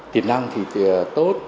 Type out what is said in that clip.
tiềm năng thì tốt